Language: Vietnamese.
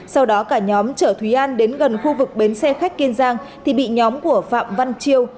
sau đó cả nhóm chở thúy an đến gần khu vực bến xe khách kiên giang thì bị nhóm của phạm văn chiêu